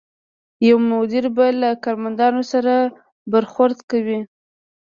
یو مدیر به له کارمندانو سره برخورد کوي.